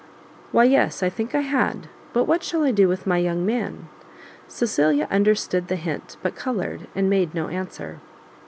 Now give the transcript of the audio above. "Why yes, I think I had; but what shall I do with my young man?" Cecilia understood the hint, but coloured, and made no answer.